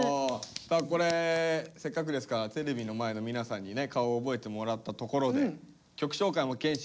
これせっかくですからテレビの前の皆さんにね顔を覚えてもらったところでお！